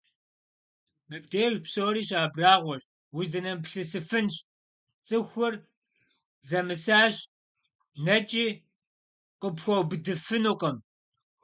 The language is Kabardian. Mıbdêjj psori şıabragueş, vuzdınemıplhısıfınş: ts'ıxur zemısaş, neç'i khıpxueubıdıfınukhım.